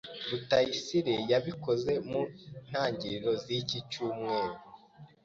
Rutayisire yabikoze mu ntangiriro ziki cyumweru.